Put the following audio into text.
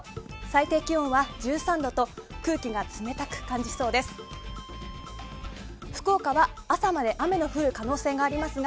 最低気温は１３度と空気が冷たく感じそうです。